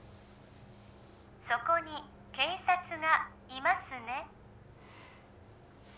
そこに警察がいますね？